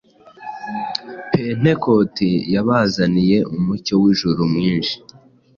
Pentekote yabazaniye umucyo w’ijuru mwinshi.